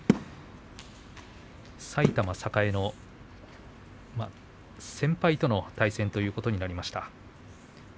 埼玉栄の先輩との対戦ということになりました。